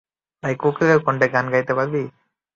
তাহলেই কোকিল কন্ঠে গান গাইতে পারবি।